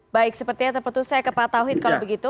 baik sepertinya terputus saya ke pak tauhid kalau begitu